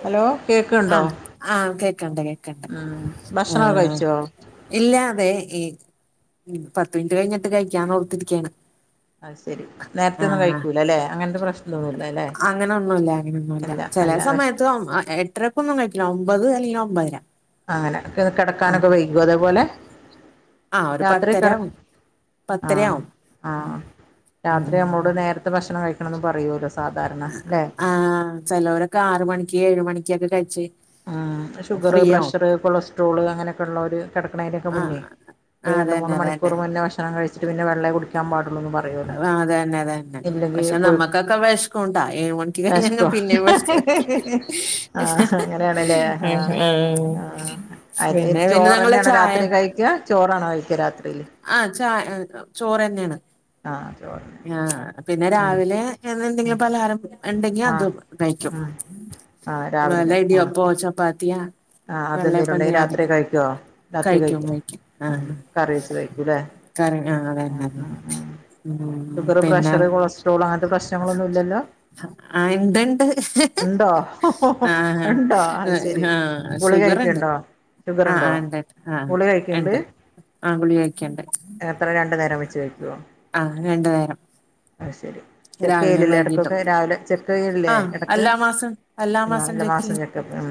Hello കേക്ക്ണ്ടോ ആഹ് ആഹ് കേക്കണ്ട് കേക്കണ്ട് ഉം ഭക്ഷണൊക്കെ ആഹ് കഴിച്ചോ ഇല്ല വോ ഈ പത്ത് മിനിറ്റ് കഴിഞ്ഞിട്ട് കഴിക്കാന്ന് ഓർത്തിരിക്കയാണ്. അത് ശരി നേരത്തെ ഒന്നും ആഹ് കഴിക്കൂല അല്ലേ അങ്ങനത്തെ പ്രശ്നൊന്നുമല്ല അല്ലേ എല്ല ചില സമയത്ത് എട്ടരക്കൊ ഒന്നും കഴിക്കില്ല. ഒമ്പത് അല്ലെങ്കിൽ ഒമ്പതര. അങ്ങനെ കിടക്കാനൊക്കെ ആഹ് വൈകോ അതേപോലെ? ആഹ് രാത്രി കിട ഒരുപത്തരാവും ആഹ് ആഹ് ഉം രാത്രി ഉം നമ്മളോട് നേരത്തെ ഭക്ഷണം കഴിക്കണെന്ന് പറയൂലോ ആഹ് ചലോരൊക്കെ ആറ് മണിക്ക് ഏഴ് മണിക്കൊക്കെ കഴിച്ച്ഴിം ഷുഗറ്, പ്രഷറ്, കൊളസ്ട്രോള് അങ്ങനെയൊക്കെ ഉള്ളോര് കിടക്കുണേന്റോക്കെ മുന്നേ ആഹ് ഒരു രണ്ട് മൂന്ന് അതന്നെ അതന്നെ മണിക്കൂർ മുന്നേ ഭക്ഷണം കഴിച്ചിട്ട് പിന്നെവെള്ളേ കുടിക്കൻ പാടുള്ളൂന്ന് പറയും ആ അതെന്നെ അതെന്നെ പക്ഷെ നമ്മക്കൊക്കെ വിശക്കുട്ടൊ ഏഴ് മണി ക്ക് കഴിഞ്ഞഴിഞ്ഞ വെശ്ക്കോ പിന്നെ ഭഷ്‌ക്ക ആണ് ലേ ഹാ ഹാ പിന്നെ പിന്നെ ഞങ്ങള് ചോറെന്നാണ് ചായ രാത്രി കയ് യ്ക്ക ചോറാണോ കഴിക്ക രാത്രി ആ ച ചോറ് തന്നെയാണ് ആഹ് ചോർന്ന് ആഹ് പിന്നെ രാവിലെ എന്തെങ്കിലും പലഹാരം ഉണ്ടെങ്കി ആഹ് അതും കഴിക്കും ഉം ആഹ് വല്ല രാവിലെ ആഹ് ഇടിയപ്പോ ചപ്പാത്തിയാ ആഹ് അതെന്തേലും വെള്ളയപ്പ ഉണ്ടെങ്കി ഞാന് രാത്രി കഴിക്കോ രാത്രി കഴിക്കും കഴിക്കോ കഴിക്കും ഉം ആഹ് കറി വെച്ച് കഴിക്കൂല്ലേ കറി ആ ഉം അതന്നെ ഉം ഉം ഉം ഷുഗർ, പ്രഷർ, പിന്നെ കൊളസ്ട്രോള് അങ്ങനത്തെ പ്രശ്നങ്ങളൊന്നും ഇല്ലല്ലോ ആഹ് ഇണ്ട്ണ്ട് ഉണ്ടോ ആഹ് ഉണ്ടോ അയ്ശരി ആഹ് ളിക ഷുഗറ്ണ്ട് കയിക്കണ്ടോ ആഹ് ഷുഗർണ്ടോ ആഹ് ഇണ്ട്ണ്ട് ആഹ് ഗുളികഴിക്കണ്ട് ഇണ്ട് ആഹ് ഗുളിക കഴിക്ക്ണ്ട് എത്ര രണ്ട് നേരം വെച്ച് കയ്‌ക്കോ ആഹ് രണ്ട് നേരം അത്ശരി ചെക്ക് രാവിലെയും ചെയ്യലില്ലേ വൈകീട്ടും ഇടക്കൊക്കെ രാവിലെ ചെക്ക് ചെയ്യലില്ലേ ആഹ് ഇടക്ക് എല്ലാ മാസം എല്ലാ നാല് മാസം ചെക്കെയ്യും ചെക്കപ്പ് ഉം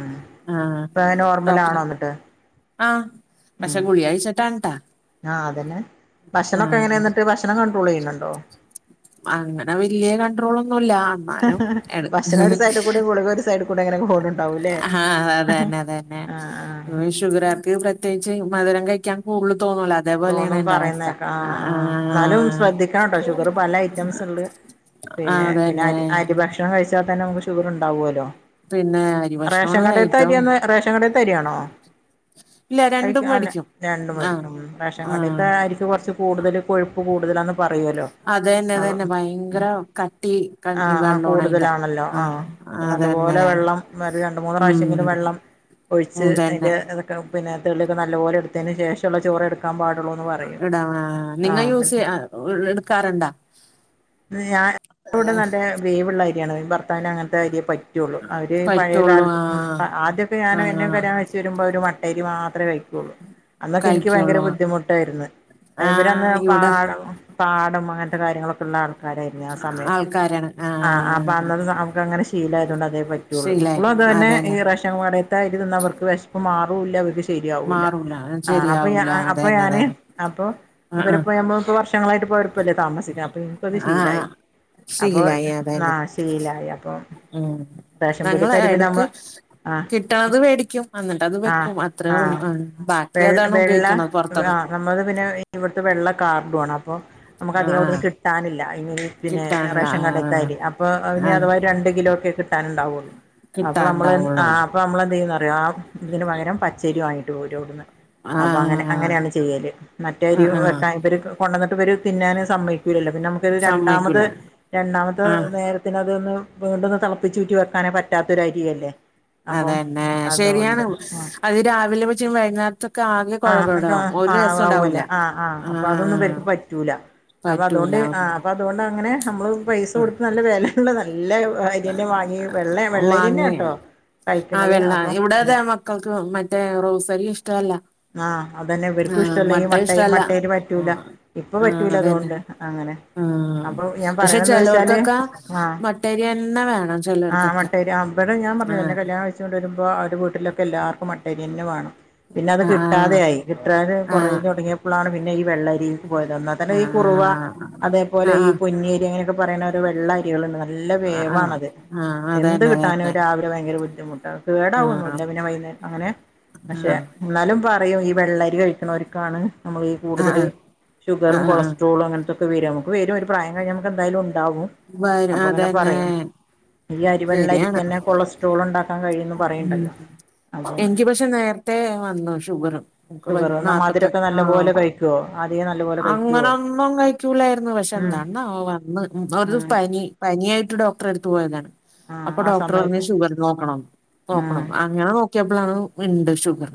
ആഹ് ഇപ്പൊഅത് ഡോക്ടറെ നോർമലാണോ എന്നിട്ട് ആഹ് പക്ഷെ ഗുളിയകൈയിച്ചി താണട്ടാ ആഹ് അതന്നെ ഭക്ഷണക്കെ എങ്ങനെ എന്നിട്ട് ഭക്ഷണം കണ്ട്രോൾ ചെയ്യുന്നുണ്ടോ ആ അങ്ങനെ വലിയ കണ്ട്രോളൊന്നുയില്ല ഭക്ഷണ ഒരു സൈഡ് കൂടെ ഗുളിക ഒരു സൈഡ് കൂടെ അങ്ങനെ പോണ്ട് ആഹ് അതന്നെ അതന്നെ ആ ഷുഗർ കാർക്ക് പ്രത്യേച്ച് മധുരം കഴിക്കാൻ കൂടുതൽ തോന്നൂല അതേപോലെയാണ് തോന്നും എന്റെ അവസ്ഥ പറയുന്നേക്ക ആ ആഹ് എന്നാലും ശ്രദ്ധിക്കണം കേട്ടോ ഷുഗർ പലേ ഐറ്റംസും ഉണ്ട് ആഹ് പിന്നെ പിന്നെ അ അതന്നെ അരി ഭക്ഷണം കഴിച്ചാതന്നെ നമുക്ക് ഷുഗർ ഉണ്ടാവല്ലോ പിന്നെ അരി റേഷൻ ഭക്ഷണമാണ് ഏറ്റവും കടെത്തെരിന്ന് റേഷൻ കടെത്തെരിയാണോ ഇല്ല കഴി രണ്ടും ക്കാനെ മേടിക്കും രണ്ടും ആഹ് വേടിക്കും റേഷൻ ആഹ് കടേതെ ആരിക്ക് കുറച്ച് കൂടുതൽ കൊഴുപ്പ് കൂടുതലാണെന്ന് പറയോല്ലോ അതന്നെ അഹ് അതന്നെ ഭയങ്കര കട്ടി ക- ആഹ് ആ വെള്ളമാണ് അയിന്റെ കൂടുതലാണല്ലോ ആ ആഹ് അപ്പ അതന്നെ നല്ലപോലെ വെള്ളം ഒരു രണ്ട് മൂന്ന് ഉം പ്രാവശ്യെങ്കിലും വെള്ളം ഒഴിച്ച് അയിന്റെ അതന്നെ ത പിന്നെ തെളിവ്‌ നല്ല പോലെ എടുത്തതിന് ശേഷമുള്ള ചോറ് എടുക്കാൻ പാടു എടാ നിങ്ങ യൂസ് എടുക്കാറ്ണ്ടോ [unintelligible] ഞാൻവിടെ നല്ല വേവുള്ളര്യാണ് ത്താൻ അങ്ങനത്തെ കാര്യേ പറ്റുകുള്ളൂ അവര് പഴയ പറ്റുള്ളൂ കാലത്ത് ആഹ് ആദ്യൊക്കെ ഞാന് എന്നെ ആഹ് കല്യാണം ക യിച് ചു വരുമ്പോ ഒരു മട്ടേരി മാത്രെ കഴി ക്കുള്ളൂ അന്നൊക്കെ എനിക്ക് ഭയങ്കര കഴിക്കുള്ളൂ അര അന്ന് ആഹ് ഇവിടെ പാടം പാടം അങ്ങനത്തെ കാര്യങ്ങളൊക്കെ ഉണ്ടാർന്ന് ആക്കായിരുന്നു ആഹ് സമയത്ത് ആഹ് അപ്പൊ അന്നത് നമക്ക് അങ്ങനെ ശീലയാതൊണ്ട് അതേ പ പറ്റുള്ളൂ ശീലായി ഇപ്പോളും അതെന്നെ ഈ അതന്നെ റേഷൻ കടേതെ അരി തിന്ന അവർക്ക് വിശപ്പ് മാറൂല്ല അവ ശരിയാവൂല്ല മാറൂല അപ്പൊ ഞാ ശരിയാവൂല അപ്പൊ അതന്നെ ഞാന് അതന്നെ അപ്പൊ ആഹ് ഇവര് പോനമ്മള് വർഷങ്ങളായിട്ട് പോയ [unintelligible] താമസിക്ക്ൻ [unintelligible] ത് ആഹ് ആഹ് ഷീലായി ആഹ് അപ്പൊ ശീലായി നാ അതന്നെ ശീലായി അപ്പൊ ഉം റേഷൻ പീ ഞങ്ങള് ടീതെരി നമ്മ എടക്ക് കിട്ടണത് മേടിക്കും എന്നിട്ട് അത് ആഹ് വെക്കും ആഹ് അത്രേള്ളൂ വെ ബാക്കി അതാണ് വെള്ള ഉപയോഗിക്കണത് ആ പുറത്തക് നമ്മളത് പിന്നെ ഇവിടുത്തെ വെള്ള കാർടുആണ് അപ്പൊ ആഹ് ഞമ്മക്കധികം അവിടുന്ന് ആഹ് കിട്ടാനില്ല ഇ പിന്നെ കിട്ടാനില്ല റേഷൻ ആഹ് കാർഡേത്താരി അപ്പോൾ അന് ആഹ് അഥവാ രണ്ട് കിലോ ക്കെ കി കിട്ടാണ്ടാവുള്ളൂ അപ്പൊ നമ്മള് കിട്ടാണ്ടാവുള്ളൂ ആഹ് അപ്പോനമ്മളെന്ത്യ്യുന്നറിയാം ആ ഇതിന് പകരം പച്ചേരിവാങ്ങീട്ട് പോരും വ്ടുന്ന്. ആഹ് അങ്ങനെയാണ് ചെയ്യല് ആഹ് മറ്റേരിയു ആഹ് വെക്കാൻ ഇവര് കൊണ്ടന്നിട്ട് ഇവര് തിന്നാനും സമ്മയ്കൂ കൂലല്ല പിന്നെ നമുക്കത് രണ്ടാമത് സമ്മയ്ക്കൂല രണ്ടാമത്തെ ആഹ് നേരത്തിനത് ന്ന് വീണ്ടൊന്ന് തളപ്പിച്ചുറ്റി വെക്കാനേ പറ്റാത്തൊ രരി അല്ലേ അതെന്നെ ശരിയാണ് ആഹ് അത് രാവിലെ വച്ച വൈന്നാ ആഹ് ആഹ് ഉണ്ടാവൂല ആവൊല്ലേ ആഹ് ആഹ് അപ്പൊതൊന്നും വർക്ക് പറ്റൂല അപ്പൊ പറ്റൂല അതോണ്ട് ആഹ് അപ്പൊ അതോണ്ടങ്ങനെ നമ്മള് പൈസ കൊടുത്ത് നല്ല വില ന്നുണ്ട് നല്ല അരിയന്നെ വാങ്ങി വെള്ള വാങ്ങി വെള്ളരിയന്നേട്ടോ കഴിക്കണുനത് അപ്പം ക്കൊക്കെ മറ്റേ റോസരി ഇഷ്ട അല്ല ആഹ് അതന്നെ ഇവർക്കും ഇഷ്ടല്ല ഈ മട്ട ഇഷ്ടല്ല മട്ടയിരി പറ്റൂല ആഹ് ഇപ്പൊ ആഹ് പറ്റൂല അതന്നെ അതുകൊണ്ട് അങ്ങനെ ആഹ് അപ്പൊ ഞാൻ പറയുന്ന എന്താ വെച്ചാല് ആഹ് എണ്ണ വേണം ആ ചെലോർക്കൊക്കെ മട്ടേരി ആ ബടെ ഞാൻ പറഞ്ഞിലേ ആഹ് ന്നെകല്യാണം ണം കയിച്ചോണ്ട് വരുമ്പോ അവര് വീട്ടിലൊക്കെ എല്ലാർക്കും മട്ടരിന്നെ വാണം പിന്നെ അത് കിട്ടാത്തെ ആഹ് തെയായി കിട്ടാന് ആഹ് ആഹ് കൊറേലൊടങ്ങിയപ്പഴാണ് പിന്നെ ഈ വെള്ളരി പോയത് അന്ന [unintelligible] ഈ കുറുവ ആഹ് ആഹ് അതേപോലെ ഈ ആഹ് പൊന്നിയേരി അങ്ങനെക്കെ പറയ്ണ ഒര് വെള്ള അരികൾണ്ട് നല്ല ആഹ് ആഹ് വേവാണത് ആഹ് എന്ത് അതന്നെ കിട്ടാനും അതന്നെ രാവിലെ ഭയങ്കര ബുദ്ധിമുട്ടാണ് ആഹ് കേടാവൊന്നുല്ല പിന്നെ വൈന്നേര അങ്ങനെ പക്ഷെ ആഹ് ന്നാലും പറയും ഈ വെള്ളരി കഴിക്കണവർക്കാണ് നമ്മളീ ആഹ് കൂടുതൽ ആഹ് ഷുഗറും ആഹ് ആഹ് ആഹ് കൊളസ്ട്രോളും അങ്ങനത്തൊക്കെ വരും ഞമ്മക്ക് വരും ഒരു പ്രായം കഴിഞ്ഞാൽ നമുക്ക് എന്തായാലുംണ്ടാകും വര് അതന്നെ ഈ അരി ശരിയാണ് വെള്ളരിക്കന്നെ കൊളസ്ട്രോള്ണ്ടാക്കാൻ കഴിയുംന്ന് ഉം പറയ്ണ്ടല്ലോ? എനിക്ക് പക്ഷെ നേരത്തെ വന്നു ഷുഗറ് ഷുഗർ ന്ന നാല്പത്തഞ് മധുരൊക്കെ നല്ല ആഹ് പോലെ കഴിക്കോ ആദിയം നല്ലപോ അങ്ങനെ ഒന്നും കഴിക്കൂലായിരുന്നു പക്ഷെ ഉം എന്താണ വോ വന്ന് ഒരു ഉം പനി പനിയായിട്ട് ഡോക്ടറെ എടുത്ത് പോയതാണ് ആ അപ്പൊ ആ ഡോക്ടറ് പറഞ്ഞു സമയത്ത് ഷുഗറ് നോക്കണം ഉം അങ്ങ ങ്ങനെ നോക്കിയപ്പാളാണ് ണ്ട് ഷുഗർ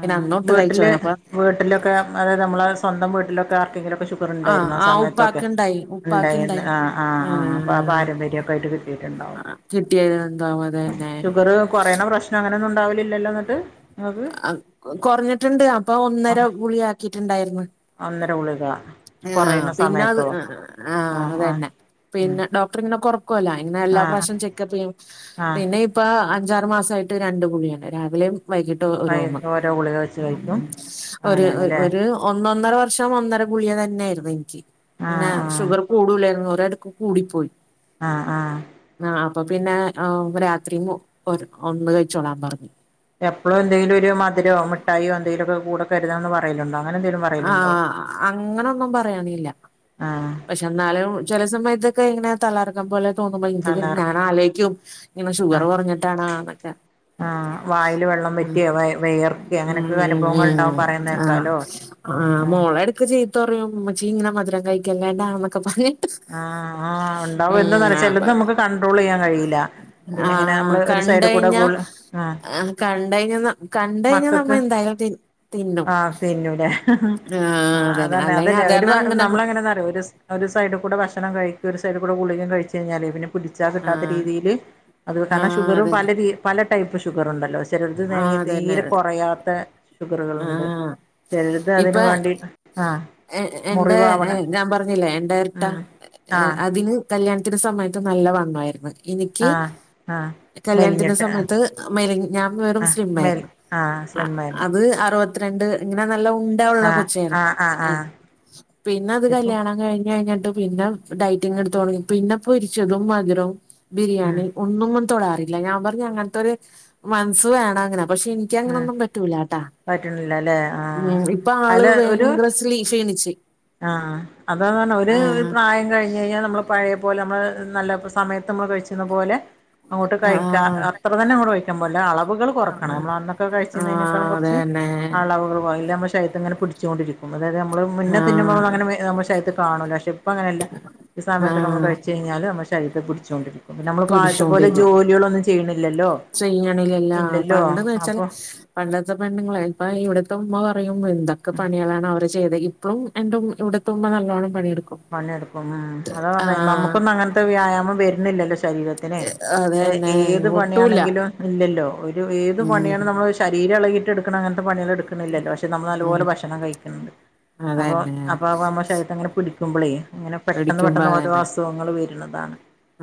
പിന്നെ അന്നൊട്ട് കഴിച്ചു വീട്ടില് തുടങ്ങി അപ്പൊ വീട്ടിലൊക്കെ അതെ നമ്മള സ്വന്തം വീട്ടി ലൊക്കെ ആർക്കെങ്കിലൊക്കെ ഷുഗറ് ആഹ് ണ്ടായിരുന്നോ ആ ആഹ് സമയത്തൊക്കെ ഉപ്പാക്ക്ണ്ടായി ണ്ടായിന്നോ ഉപ്പാക്ക്ണ്ടായി ആഹ് ആഹ് ആഹ് ആഹ് അപ്പ ആ പാരമ്പര്യം ര്യായിട്ട് കിട്ടീട്ടുണ്ടാവും കിട്ടിയത് എന്താവും അത് തന്നെ ഷുഗറ് കൊറയുന്ന പ്രശ്ന നങ്ങനൊന്ന് ണ്ടാവില്ലല്ലോ ന്നിട്ട് ആഹ് കൊറഞ്ഞിട്ടുണ്ട് അപ്പൊ ഒന്നര ഗളിഗാക്കിട്ടുണ്ടായിരുന്നു ഒന്നര ഗളിക ആഹ് ആ പിന്നത് ആഹ് ആഹ് ആ അത് ആ ന്നെ ഉം പിന്നെ ഡോക് ക്ടറിങ്ങനെ കൊറക്കോലൊ ങ്ങനെ എല്ലാ ആഹ് പ്രാവശ്യം ചെക്കപ്പിയ്യും ആഹ് പിന്നെ ഇപ് ഇപ്പ അഞ്ചാറ് മാസമായിട്ട് രണ്ട് ഗുളിഗേണ് രാവിലേം വൈകിം ട്ടോ വൈ ഓരോന്ന് ഓരോ ഗുളിക വെച്ച് ഉം കഴിക്കും ഒര് ഒ അങ്ങനെയാണല്ലേ ഒര് ഒന്നൊന്നര വർഷം ഒന്നര ഗുളിക തന്നേരുന്നു ഇൻക് ങ്ങനെ ആഹ് ആഹ് ഷുഗർ കൂടൂല്ലായിരുന്നു ഒരടുക്ക് കൂടിപ്പോയി ആഹ് ആഹ് ആഹ് അപ്പോ പിന്നെ ഓ ആവുമ്പം രാത്രീം ഒര് ഒന്ന് കഴിച്ചോളാൻ പറഞ്ഞു. എപ്പളും എന്തെങ്കിലൊരു മധുരോ മിഠായോ എന്തെങ്കിലൊക്കെ കൂടെ കരുതണംന്ന് പറേല്ണ്ടോ? അങ്ങനെ എന്തേലും പറേല്ണ്ടോ? ആഹ് അങ്ങനൊന്നും പറയണില്ല ആഹ് പക്ഷെ എന്നാലും ചെല സമയത്തൊക്കെ ങ്ങനെ തലകറക്കം പോലെ തോന്നുമ്പോ ഇൻക്ക്ത് അല്ലാറ ഞാനാലോയ്ക്കും ങ്ങനെ ഷുഗറ് ആഹ് കൊഞ്ഞിട്ടാണോന്നൊക്കെ ആഹ് വായില് വെള്ളം വെറ്റേ വേ വേയർക്കേ അങ്ങനെക്കെ ഉം ഉം അനുഭവങ്ങൾണ്ടാവും ആഹ് പറയണേക്കാലോ? ആഹ് മോള് എടക്ക് ചീത്ത പറയും ഉമ്മച്ചീ ഇങ്ങനെ മധുരം കഴിക്കല്ലാണ്ടാന്നൊക്കെ പറഞ്ഞ് ആഹ് ആഹ് ഉണ്ടാവും എന്താെന്നറിയോ? ചെലത് ആഹ് നമുക്ക് കണ്ട്രോളിയ്യാൻ കഴിയില്ല. പിന്നെ ഇങ്ങനെ ആഹ് നമ്മള് ഒരു സൈഡിൽ കൂടെ കണ്ടഴിഞ്ഞാ ഗുളി ആഹ് കണ്ടഴിഞ്ഞ കണ്ടഴിഞ്ഞാ നമ്മ മക്കക്ക് എന്തായാലും തിന്ന് തിന്നും ആഹ് തിന്നൂലേ. ആഹ് അതന്നെ അതാണേ അല്ലെങ്കി അതല്ലേ അത് ഒരു കാരണം അങ്ങനെ കൊ നമ്മള എങ്ങനാന്നാറിയോ ഒരു ഒരു സൈഡ് ഭക്ഷണം കഴിക്കും. ഒരു സൈഡികൂടെ ഗുളികേം കഴിച്ച് കഴിഞ്ഞാലേ പിന്നെ പിടിച്ചാൽ കിട്ടാത്ത ആഹ് രീതില് അത് കാരണം ആഹ് ഷുഗറും പല അതന്നെ രീ പല ടൈപ്പ് ഷുഗറുണ്ടല്ലോ. ചെലത് നേ ആഹ് അതന്നെ തീരെ അതെ കൊറയാത്തേ ഷുഗറുകളുണ്ട് ആഹ് ചെലുത് അതിന് വേണ്ടി ആഹ് ഏഹ് എന്റെ മുറിവാവണ ഞാൻ പറഞ്ഞില്ലേ എന്റെ ട്ട ഉം ആഹ് അതിന് കല്യാണത്തിന്റെ സമയത്ത് നല്ല വണ്ണായിരുന്നന് ആഹ് ആഹ് കല്യാണത്തിന്റെ മെലിഞ്ഞിട്ട് ആഹ് സമയത്ത് മെലി ഞാൻ വെറും ആഹ് സ്ലിം മെൽ ആയിരുന്നു ആഹ് സ്ലിം ആയിരുന്നു അത് അറുവത്ത്രണ്ട് ഇങ്ങനെ നല്ല ഉ ഇവിടെ ഉള്ള കൊച്ചായിരുന്നു. ആഹ് പിന്ന അത് ഇപ്പൊ കല്യാണം കഴിഞ്ഞഴിഞ്ഞിട്ട് പിന്ന ഡയറ്റിങ്ങ് എടുത്ത് തൊടങ്ങി പിന്നെ പൊരിച്ചതും മധുരോം ഉം ബിരിയാണി ഒന്നുംങ്ങും തൊടാറില്ല. ഞാൻ പറഞ്ഞു അങ്ങനത്തൊരു മനസ്സ് വേണം അങ്ങനെ. പക്ഷെ ഇനി ക്ക അങ്ങനൊന്നും പറ്റൂല്ലാട്ടാ പറ്റ്ണില്ലാ ല്ലേ? ഉം ഇപ്പോ ആള് വയങ്കര സ്ലീ ക്ഷിണിച്ച് ആഹ് അതതാണ്. ഒര് പ്രായം കഴിഞ്ഞഴിഞ്ഞാ നമ്മള് പഴയ പോലെ നമ്മള് നല്ല സമയത്ത് നമ്മള് കഴിച്ച്ചിരുന്ന പോലെ അങ്ങോട്ട് കഴിക്കാ ആഹ് അത്ര തന്നെ അങ്ങോട് കഴിക്കാൻ പാടില്ല അളവുകൾ കൊറക്കണമ്മൾ കഴിച്ചരിന്നേനെക്കാളും ആഹ് കൊറച്ച് അതന്നെ ആളവുകൾ പോ ഇല്ലേ നമ്മുടെ ശരീരത്തിൽ ഇങ്ങനെ പിടിച്ചുകൊണ്ടിരിക്ക് അതായത് നമ്മള് മുന്നെ തിന്നുമ്പോൾ ആഹ് അങ്ങനെ നമ്മടെ ശരീരത്ത് കാണൂല്ല. പക്ഷേ ഇപ്പ അങ്ങനെല്ല ഈ സമയത്തൊക്കെമ്മ ആഹ് കഴിച്ച ഴിഞ്ഞാല് നമ്മട ശരീരത്ത് പിടിച്ചോണ്ട് ഇര്ക്കും. പിന്നമ്മള് ഇപ്പാദ്യത്തെ പോലെ പിടിച്ചോണ്ടിരിക്കും ജോലികളൊന്നും ചെ ചെയ്യീണില്ലല്ലോ ചെയ്യണില്ലല്ലാ ഇല്ലല്ലോ പണ്ട്ന്ന് വെച്ചാല് അപ്പൊ പണ്ടത്തെ പെണ്ണുങ്ങളെ ഇപ്പ ഇവിടത്തെ ഉമ്മ പറയും. എന്തൊക്കെ പണികളാണ് അവര് ചെയ്തേ ഇപ്പളും എന്റെ ഉ ഇവിടെത്തുമ്മ നല്ലോണം പണിയെടുക്കും. പണിയെടുക്കും. ഉം. അതാ പറഞ്ഞേ ആഹ് നമുക്കൊന്നും അങ്ങനത്തെ വ്യായാമം വരുന്നില്ലല്ലോ ശരീര ത്തിനെ ഏഹ് അതന്നെ ഏത് ഒട്ടൂല പണിയാണെങ്കിലും ഇല്ലല്ലോ. ഒരു ഏത് ഉം പണിയാണ് നമ്മൾ ശ് ശരീര എളകീട്ടെടുക്കണങ്ങത്തെ പണ്യാള് എടുക്കു ക്കണില്ലല്ലോ. പക്ഷേ നമ്മള് ഉം നല്ലപോലെ ഭക്ഷണം കഴിക്കിണ്ട്. അപ്പോ അതന്നെ അപ്പോ നമ്മ ശരീരത്തങ്ങനെ ത്തുമ്പളേ അങ്ങനെ പെട്ടെന്ന് വേടിക്കുമ്പോ പെട്ടെന്ന് ഓരോ അതന്നെ അസുഖങ്ങള് വരുണതാണ്.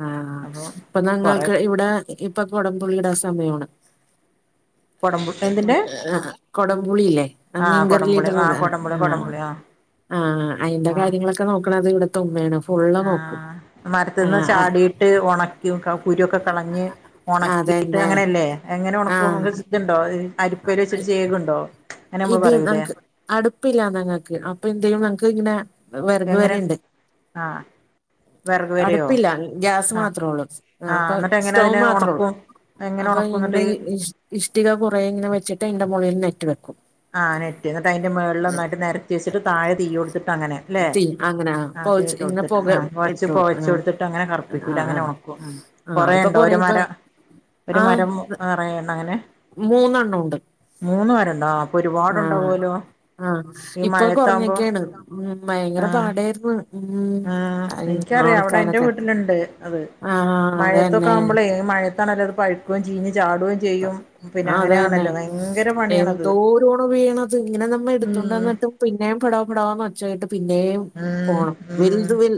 ആഹ് ഇപ്പോ ഞങ്ങൾക്ക് ഇവിടെ ഇപ്പ കുടംപുളീടാ സമയവാണ് കൊടമ്പു എന്തിന്റെ കൊടംപുളിയില്ലേ ആഹ് ആ കൊടംപുളി ആ മീൻകറിലിടണത് കൊടംപുളി ആഹ് കൊടംപുളി ആ ആഹ് അയിന്റെ ആ കാര്യങ്ങളൊക്കെ നോക്കണത് ഇവിടത്തെ ഉമ്മയാണ് ഫുള്ള് നോക്കും മരത്തിന്നു ആഹ് ആഹ് ചാടിയിട്ട് ഉണക്കി വെക്കും കുരുക്കെ കളഞ്ഞ് ഉണക്കിയിട്ട് അതന്നെ അങ്ങനെയല്ലേ എങ്ങനെ ഉണക്കും ആഹ് ഇതുണ്ടോ അരിപ്പൽ വച്ചരു ചേകുണ്ടോ അങ്ങനെ നമ്മള് ഇത് പറയൂലേ ങ്ങക്ക് അടുപ്പില്ല ഞങ്ങൾക്ക് അപ്പൊ എന്തേയും നങ്ങക്ക് ഇങ്ങനെ വെറക് എങ്ങനെ പേരയിണ്ട് ആഹ് വെറക് വരയോ അടുപ്പില്ല ഗ്യാസ് ആഹ് മാത്രേ ഉള്ളു ആഹ് അപ്പൊ എന്നിട്ട് എങ്ങനെ സ്റ്റൗവ് അതിനെ മാത്രേ ഉള്ളു ഒണക്കും എങ്ങനെ അപ്പൊ ഒണക്കും ഇങ്ങനെ എന്നിട്ട് ഇ ഇഷ്ടിക കുറെ ഇങ്ങനെ വെച്ചിട്ട് അയിന്റെ മുകളിൽ നെറ്റ് വെക്കും ആഹ് നെറ്റ് എന്നിട്ട് അതിന്റെ മുകളിൽ ഒന്നായിട്ട് നേരത്തി വെച്ചിട്ട് താഴെ തീ കൊടുത്തിട്ടങ്ങനെ അല്ലെ തീ അങ്ങനെ ആഹ് പൊകച്ച് തീയിട്ട് ഇങ്ങനെ കൊടുത്തിട്ട് പുക ആ പോകച്ച് ഇട്ട് പോകച്ച കൊടുക്കും ആ കൊടുത്തിട്ട് അങ്ങനെ ആ കറുപ്പിക്കൂല ആ അങ്ങനെ ഉണക്കും ആ ഇപ്പൊ കൊറെയുണ്ടോ? കൊറേ ഒരു ഇപ്പ മരം. ഒരു മരം നിറയേണോ അങ്ങനെ? മൂന്നെണ്ണോണ്ട് ഒരുപാടുണ്ടാവവുമല്ലോ ആഹ് ഇപ്പൊ കുറഞ്ഞൊക്കെയാണ് ഉ ഭയങ്കര ആഹ് പാടായിരുന്നു ഉ അ ഇച്ചറീയാ അവെടെന്റെ വീട്ടിലുണ്ട് അത് ആ അതന്നെ മഴയത്തൊക്കെവുമ്പളെ ഏത് മഴയത്താണെലുംഅത്‌ പഴുക്കേം ചീഞ് ചാടുവേം ച ചെയ്യും ആഹ് പിന്നെങ്ങനെയാണല്ലോ ഭയങ്കര പണിയാണത് ൾ വീണത് ങ്ങനെ നമ്മ ഉം എടുത്തോണ്ടന്നിട്ട് പിന്നേം പട പടാ ന്ന് ഒച്ചാകേൾക്കത്തില്ലേ ഉം പോണം ഉം വെൽദ് വെൽ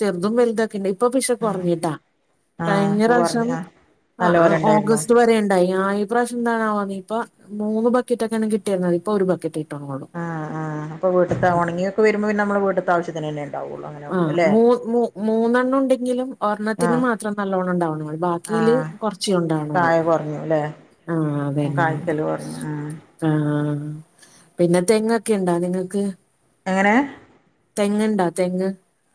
ചേർദും വെൽദോ ഇദിപ്പോ പശ്ശെ ഉം കുറഞ്ഞുട്ടാ ആഹ് കഴിഞ്ഞ അപ്പൊ പറഞ്ഞു റാവിശ്യം ആഹ് നല്ലപോലെ ഉണ്ടായിരുന്നു ഓഗസ്റ്റ് വറെണ് കയിഞ്ഞാ യീ പ്രശ്യം എന്താണവൊ ഇപ്പൊ മൂന്ന് ബക്കറ്റൊക്കെണ് കിട്ടിരുന്നത് ഇപ്പൊ ഒരു ബക്കറ്റൊക്കെള്ളു ആഹ് ആ പ്പോൾ വീട്ട്ത്ത ഉണങ്ങിയൊക്കെ വരുമ്പോപിന്നെ നമ്മള് വീട്ട്ത്താവശ്യത്തനെന്നെണ് ഡൗളാ ആഹ് മൂ മൂ മൂന്നെണ്ണം ഉണ്ടെങ്കിലും ഒ ഒർണ്ണത്തിന് ആഹ് മാത്രം നല്ലോണ്ണം ണ്ടാവനുള്ളു ഈല് ആഹ് കൊറച്ചേണ്ടാവുണുള്ളൂ കായ കുറഞ്ഞു അല്ലേ ആഹ് അതെ കായ്ക്കല് കുറഞ്ഞു ഉം ആഹ് പിന്നെ തെങ്ങൊക്കെ ണ്ടോ? നിങ്ങക്ക് എങ്ങനെ തെങ്ങ്ണ്ടാ തെങ്ങ്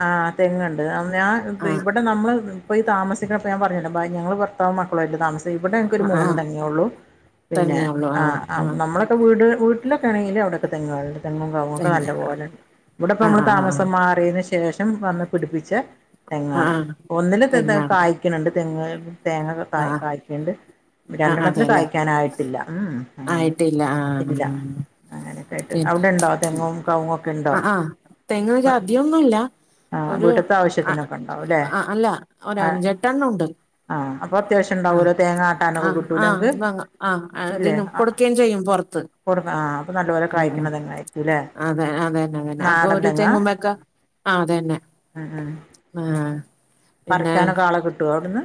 ആഹ് തെങ്ങ്ണ്ട് അന്ന് ആ ആഹ് ഇവിടെ നമ്മള് ഇപ്പോ യീ താമിക്കണപ്പ ഞൻ പറയാഞ്ഞില്ലേ ഞങ്ങള് ഭർത്താവും മക്കളുവായിട്ട് തമസ തെ ഇവിടെ നങ്ങക്കൊരു ആഹ് മൂന്ന് ആഹ് തങ്ങെള്ളൂ പിന്നെ തെങ്ങേ ഉള്ളൂ ആ ആഹ് ആഹ് നമ്മള ഇപ്പോ വീട്ടില് വീട്ടിലോക്കെ ണെങ്കിൽ അവിടൊക്കെ തെങ്ങാളുണ്ട് തെങ്ങും കൗങ്ങോക്കെ തെങ്ങ് നല്ലപോലെണ്ട് ആഹ് ഇവിടെപ്പോമ്മള് ആഹ് താമസം ആഹ് മാറിയതിനു ശേ ശേഷം വന്ന് പിടിപ്പിച്ച ആഹ് തെങ്ങാണ് ആഹ് ഒന്നില് തെ തെ തെങ്ങാണ് കായ്ക്ക്ണ് ണ്ട് തെങ്ങ് തേങ്ങൊക്കെ കായ് ആഹ് കായ്ക്കണ്ട് ആഹ് രണ്ടെണ്ണത്തി അതെല്ലേ കായ്ക്കാനായിട്ടില്ല ഉം ആയിട്ടില്ല ആഹ് ഇല്ല അങ്ങനെക്കെയിട്ട് പിൻ അവിടെണ്ടോ തെങ്ങും കവുങ്ങോക്കെ ണ്ടോ? തേങ്ങോക്കെ അതികൊന്നുല്ല ആഹ് ഒരു വീട്ട്ത്തെ അ ആവശ്യത്തിനൊക്കെ ഉണ്ടാവും ല്ലേ അല്ല ആഹ് ഒരഞ്ചെട്ടണ്ണോണ്ട് ആഹ് അത്യാവശ്യം ആഹ് ഉണ്ടാവൂലോ തേങ്ങ ആട്ടാനൊക്കെ ആഹ് കിട്ടൂലേ ആഹ് ഇങ്ങക്ക് വാങ്ങാ ആഹ് ഇല്ലേ അതിന് ആഹ് കൊടുക്കേം ചെയ്യും പോറത്ത് കൊടുക്ക ആഹ് അപ്പൊ നല്ലപോലെ ഉം ഉം കായ്ക്ക്ണ തെങ്ങായിരിക്കുംല്ലേ അതെ അതന്നെ ന്നെ നാടൻ അപ്പൊരു തെങ്ങുമ്മോക്കെ ആഹ് അതന്നെ ആഹ് ആഹ് ആഹ് പറിക്കാനൊക്കെ ആളെ കിട്ടോ അവിടുന്ന്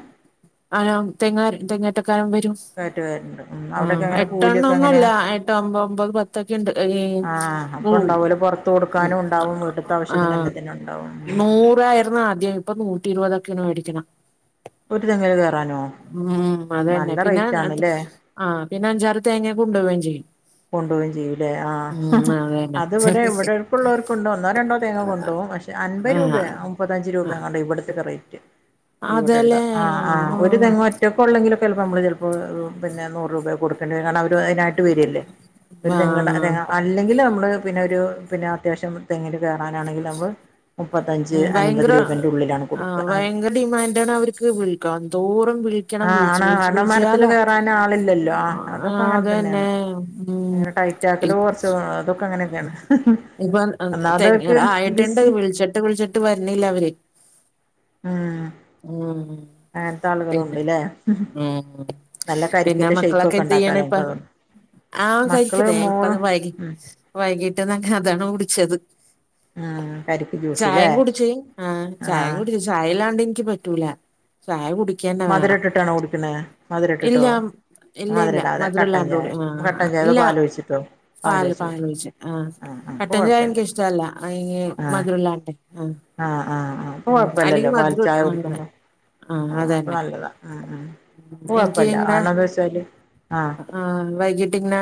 ആഹ് തങ്ങ് തെങ്ങാറ്റക്കാരം വരും കയറ്റി വരണ്ട് ഉം ആഹ് അവിടെയൊക്കെ എങ്ങനെ കൂലിയൊക്കെ എട്ടെണ്ണോന്നല്ല എങ്ങനെയാ എട്ട്മ്പമ്പത് പത്തൊക്കെണ്ട് ഏ ആഹ് അപ്പൊ വൂ ഉണ്ടാവൂലോ പൊറത്ത് കൊടുക്കാനും ഉണ്ടാവും വീട്ട്ത്തെ ആഹ് ആവശ്യത്തിന് ആഹ് എല്ലാത്തിനും ഉണ്ടാവും നൂറായിനു ആദ്യം ഇപ്പൊ നൂറ്റി ഇരുപതൊക്കെയാണ് മേടിക്കണം ഒരു തെങ്ങിൽ കേറാനോ? ഉം അത്തന്നെ നല്ല പിന്നെ റേറ്റ് ആണ്ല്ലേ ആ പിന്നെ അഞ്ചാറ് തേങ്ങേ കൊണ്ടുപോകേം ചെയ്യും കൊണ്ടുപോയും ചെയ്യൂലേ ഉം ആഹ് അതന്നെ അത് വിടെ ഇവിടെർക്കുള്ളോർക്കുണ്ട് ഒന്നോ രണ്ടോ തേങ്ങ കൊണ്ടോകും പക്ഷെ അൻപത് രൂപയാ ആ മുപ്പത്തിഞ്ച് രൂപങ്ങണ്ട ഇവിടത്തെക്കെ റേറ്റ് ഇവിടെള്ള അതല്ലേ ആ ആ ഒരു തെങ്ങറ്റ റ്റൊക്കെ ള്ളോങ്കിലൊക്കെ ചിലപ്പോൾ നമ്മള് ചിലപ്പോ പിന്നെ നൂറ് രൂപ കൊടുക്കേണ്ട കാരണം അവർ അതിനായിട്ട് വരില്ലേ ഒരു ആ തെങ്ങട തെ അല്ലെങ്കിലും നമ്മള് പിന്നെ ഒരു പിന്നെ അത്യാവശ്യം മ തെങ്ങനും കയറാനാണെങ്കിൽ നമ്മൾ മുപ്പത്തഞ്ച് അൻപത് രൂപേന്റു ള്ളിലാണ് കൊടുക്ക ഡിമാൻന്റാണ് അവർക്ക് വിൽക്കാംന്തോരം വി ണം വിളിച്ചു ആണ് വിളിച്ചു കാരണം മരത്തില് വിളിച്ചാലാ കയറാൻ ആളില്ലല്ലോ ആ അത് ന്നെ ങ്ങനെ ടൈറ്റാക്കലോ കുറച്ച് അതൊക്കെ അങ്ങനെയൊക്കെയാണ് പ്പം അഹ് തെങ്ങ് ഒന്നാമതവർക്ക് ആയ്ട്ട്ണ്ട് ബിസി വിൾച്ചിട്ട് വിൾച്ചിട്ട് വര്ണില്ല അവര് ഉം ഉം അങ്ങനത്തെ പിന്നെ ആളുകളുണ്ട്ല്ലേ ഉം നല്ല പിന്നെ കരിക്കിന്റെ ഷെയ്ക്ക് മക്കളൊക്കെ ഒക്കെ എന്ത് ഉണ്ടാക്കാലോ യ്യണ ഇപ്പ എനിക്ക് തോന്നുന്നു ആഹ് മക്കള് കഴിക്കതേ മോള് ഇപ്പത് വൈകി ഉം വൈകീട്ട് ങ്ങ അതാണ് കുടിച്ചത് ആഹ് കരിപ്പി ജ്യൂസ്ല്ലേ ചായം കുടിച്ച് ആ ചായം കുടിച്ച് ചായ ല്ലാണ്ട് ഇൻക്ക് പറ്റൂല ചായ കുടി ക്കെന്നെ മധുരം വേണം ഇട്ടിട്ടാണോ കുടിക്കണേ മധുരം ഇല്ല ഇട്ടിട്ടോ ഇല്ല ഇല്ല മധുരം ഇടാതെ കട്ടൻ മധുരല്ലാത്ത ചായ കുടി കട്ടൻ ആ ചായ അതോ ഇല്ലാ പാല് ഒഴിച്ചിട്ടോ പാൽ പാല് കുടിക്കും ഒഴിച്ച് ആഹ് കട്ടഞ്ചായ എൻക്ക് ഇഷ്ടല്ല അയ് ആഹ് മധുരല്ലാണ്ടേ ആഹ് ആഹ് ആഹ് ആ കൊഴപ്പല്ലല്ലോ പാൽ ഇട്ട ചായ അങ്ങനെ കുടിക്ക്മ്പോ ആ ആഹ് അപ്പൊ അതന്നെ നല്ലതാ ഉം ഉം ഉം. അപ്പൊ എനിക്ക് കൊഴപ്പല്ല ഇങ്ങനെ കാരണന്ത ച്ചാല് ആ വൈകീട്ട് ഇങ്ങന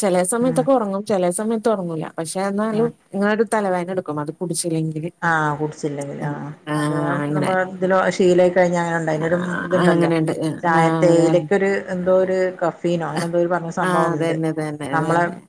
ചെലേ ഉം സമയത്തൊക്കെ ഒറങ്ങും ചെലേ സമയത്ത് ഒറങ്ങൂല പക്ഷെ ആ ന്നാലും ഇങ്ങ ഒരു തലവേന ടുക്കും അത് കുടിച്ചിലെങ്കില് ആഹ് കുടിച്ചില്ലെങ്കില് ആ അത് അങ്ങനെ നമ്മതില് ശീലയി കഴിഞ്ഞ ങ്ങനെ ണ്ട ആ അതിനൊരു ഇത്ണ്ടല്ലോ അങ്ങനെണ്ട് ആ അതന്നെ ചായത്തേയിലക്കൊര് എന്തോ ഒര് കഫീനോ അങ്ങനെ ന്തോ ഒരു പറഞ്ഞ ആ സംഭവംണ്ട് അതന്നെ അതന്നെ നമ്മളെ അതന്നെ